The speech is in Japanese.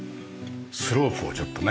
スロープをちょっとね。